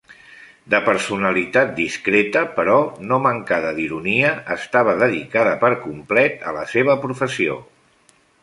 De personalitat discreta, però no mancada d'ironia, estava dedicada per complet a la seva professió.